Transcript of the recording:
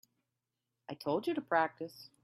I told you to practice.